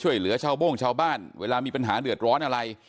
เวลามีปัญหาเรือดร้อนอะไร